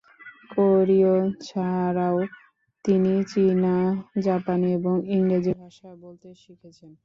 কোরীয় ছাড়াও, তিনি চীনা, জাপানি এবং ইংরেজি ভাষা বলতে শিখেছেন।